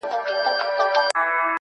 راسه د يو بل اوښکي وچي کړو نور.